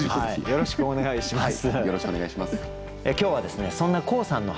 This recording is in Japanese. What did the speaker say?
よろしくお願いします。